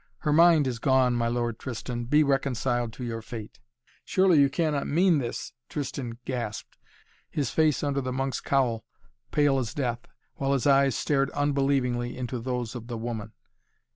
Her mind is gone, my Lord Tristan! Be reconciled to your fate!" "Surely you cannot mean this?" Tristan gasped, his face under the monk's cowl pale as death, while his eyes stared unbelievingly into those of the woman.